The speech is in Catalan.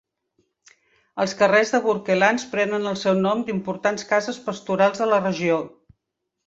Els carrers de Bourkelands prenen el seu nom "d'importants cases pastorals de la regió".